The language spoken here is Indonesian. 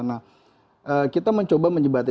nah kita mencoba menjebatkan